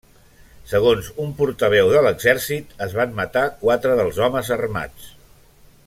Segons un portaveu de l'exèrcit, es van matar quatre dels homes armats.